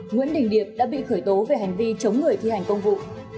nguyễn đình điệp đã bị khởi tố về hành vi chống người thi hành công vụ